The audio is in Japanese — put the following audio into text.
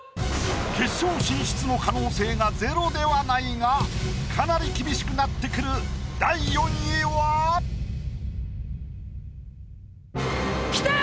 決勝進出の可能性が０ではないがかなり厳しくなってくる北山！